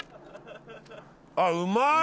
あっうまい！